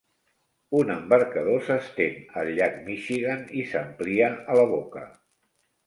Un embarcador s'estén al llac Michigan i s'amplia a la boca.